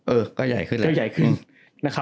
เออใหญ่ขึ้น